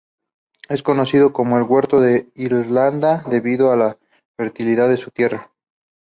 Es conocido como "el huerto de Irlanda", debido a la fertilidad de su tierra.